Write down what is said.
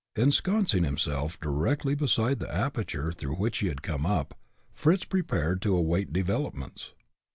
Ensconcing himself directly beside the aperture through which he had come up, Fritz prepared to await developments.